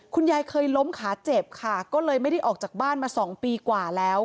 คุณยายเคยล้มขาเจ็บค่ะก็เลยไม่ได้ออกจากบ้านมา๒ปีกว่าแล้ว